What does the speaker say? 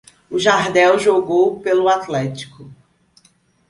O Jardel jogou pelo Atlético.